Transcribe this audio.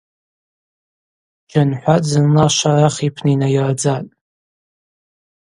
Джьанхӏватӏ зынла Шварах йпны йнайырдзатӏ.